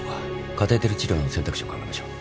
カテーテル治療の選択肢を考えましょう。